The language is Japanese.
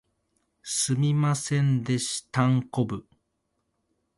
すみませんでしたんこぶ